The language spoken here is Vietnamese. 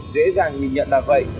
dễ dàng nhìn nhận là vậy